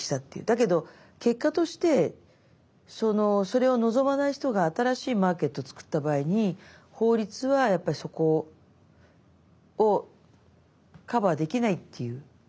だけど結果としてそれを望まない人が新しいマーケットを作った場合に法律はやっぱりそこをカバーできないっていう懸念もありますよね。